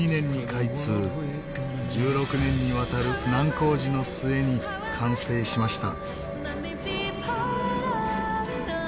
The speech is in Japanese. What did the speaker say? １６年にわたる難工事の末に完成しました。